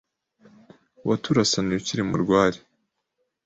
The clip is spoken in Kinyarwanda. Waturasaniye ukiri mu rwari